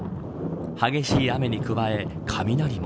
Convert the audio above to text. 激しい雨に加え雷も。